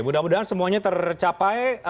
mudah mudahan semuanya tercapai